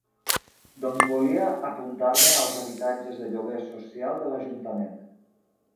Doncs volia apuntar-me als habitatges de lloguer social de l'ajuntament.